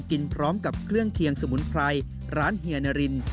กินพร้อมกับเครื่องเคียงสมุนไพรร้านเฮียนาริน